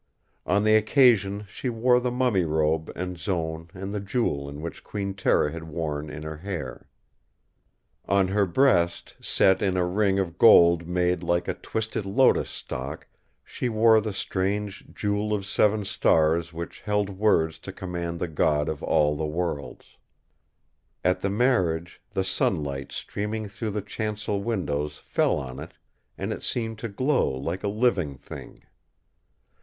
On the occasion she wore the mummy robe and zone and the jewel which Queen Tera had worn in her hair. On her breast, set in a ring of gold make like a twisted lotus stalk, she wore the strange Jewel of Seven Stars which held words to command the God of all the worlds. At the marriage the sunlight streaming through the chancel windows fell on it, and it seemed to glow like a living thing.